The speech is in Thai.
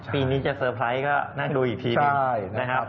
ปีนี้จะเซอร์ไพรส์ก็นั่งดูอีกทีนิด